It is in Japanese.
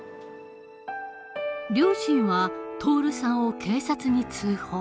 両親は徹さんを警察に通報。